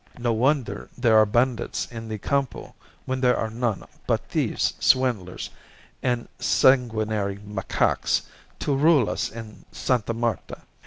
No wonder there are bandits in the Campo when there are none but thieves, swindlers, and sanguinary macaques to rule us in Sta. Marta.